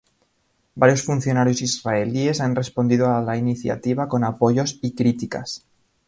Varios funcionarios israelíes han respondido a la iniciativa con apoyos y críticas.